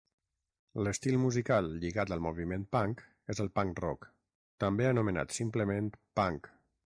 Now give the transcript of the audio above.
L'estil musical lligat al moviment punk és el punk rock, també anomenat simplement punk.